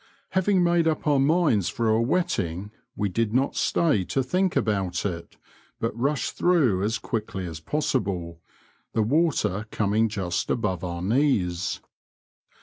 Having made up our minds for a wetting, we did not stay to think about it, but rushed through as quickly as possible, the water coming just above our knees.